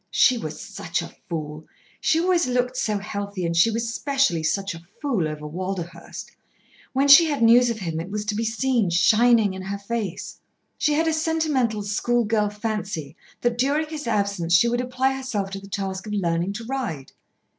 She was such a fool; she always looked so healthy, and she was specially such a fool over Walderhurst. When she had news of him, it was to be seen shining in her face. She had a sentimental school girl fancy that during his absence she would apply herself to the task of learning to ride.